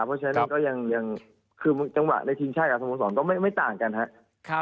เพราะฉะนั้นก็ยังคือจังหวะในทีมชาติกับสโมสรก็ไม่ต่างกันครับ